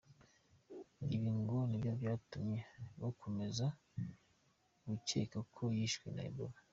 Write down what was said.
Ibi ngo nibyo byatumye bakomeza gukeka ko yishwe na Ebola.